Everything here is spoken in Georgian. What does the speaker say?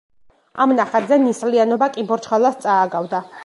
ამ ნახატზე ნისლიანობა კიბორჩხალას წააგავდა.